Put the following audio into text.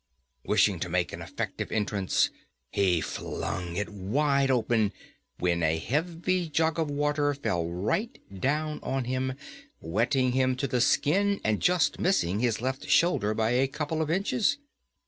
Wishing to make an effective entrance, he flung it wide open, when a heavy jug of water fell right down on him, wetting him to the skin, and just missing his left shoulder by a couple of inches.